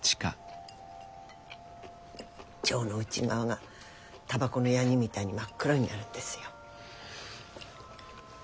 腸の内側がたばこのヤニみたいに真っ黒になるんですよ。